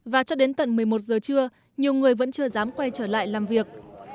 và cho đến tận một mươi một giờ trưa nhiều người vẫn chưa dám quay trở lại làm việc